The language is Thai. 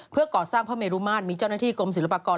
เพื่อก่อสร้างพระเมรุมาตรมีเจ้าหน้าที่กรมศิลปากร